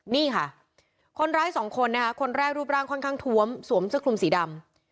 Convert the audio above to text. นี่ค่ะคนร้ายสองคนนะคะคนแรกรูปร่างค่อนข้างท้วมสวมเสื้อคลุมสีดำ